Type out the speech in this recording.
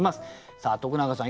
さあ徳永さん